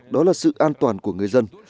đó là sự an toàn của người dân